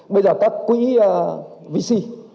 bây giờ các quỹ vc